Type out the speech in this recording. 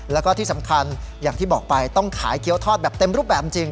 แล้วก็ที่สำคัญอย่างที่บอกไปต้องขายเกี้ยวทอดแบบเต็มรูปแบบจริง